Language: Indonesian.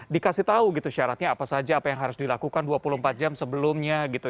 dikasih tahu gitu syaratnya apa saja apa yang harus dilakukan dua puluh empat jam sebelumnya gitu